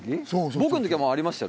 僕の時はありましたよ